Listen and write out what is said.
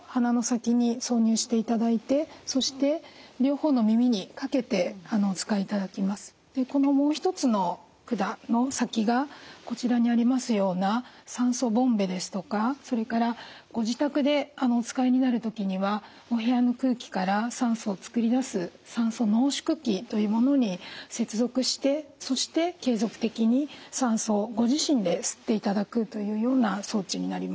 この先端が２つの突起がついておりますのでこのもう一つの管の先がこちらにありますような酸素ボンベですとかそれからご自宅でお使いになる時にはお部屋の空気から酸素を作り出す酸素濃縮器というものに接続してそして継続的に酸素をご自身で吸っていただくというような装置になります。